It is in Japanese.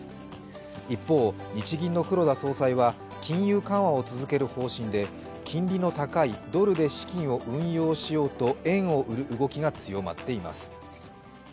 一方、日銀の黒田総裁は金融緩和を続ける方針で金利の高いドルで資金を運用しようと円を売る動きが強まっています。